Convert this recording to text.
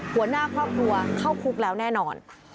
หัวหน้าครอบครัวเข้าคุกแล้วแน่นอน